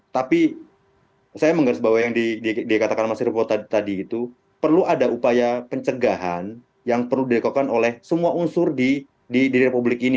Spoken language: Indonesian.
tapi saya menggaris bahwa yang dikatakan mas riko tadi itu perlu ada upaya pencegahan yang perlu dilakukan oleh semua unsur di republik ini